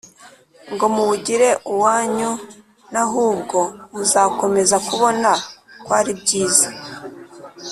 ngo muwugire uwanyu n Ahubwo muzakomeze kubona ko ari byiza